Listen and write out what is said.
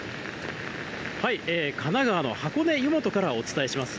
神奈川の箱根湯本からお伝えします。